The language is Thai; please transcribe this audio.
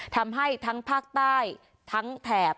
ทำให้ทั้งภาคใต้ทั้งแถบ